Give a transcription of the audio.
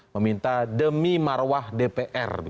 meminta demi marwah dpr